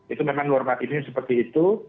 itu memang normatifnya seperti itu